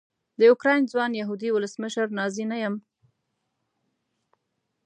د اوکراین ځوان یهودي ولسمشر نازي نه یم.